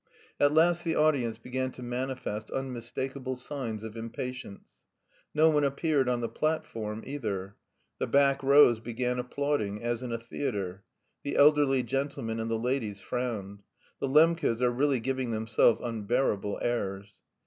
At last the audience began to manifest unmistakable signs of impatience. No one appeared on the platform either. The back rows began applauding, as in a theatre. The elderly gentlemen and the ladies frowned. "The Lembkes are really giving themselves unbearable airs."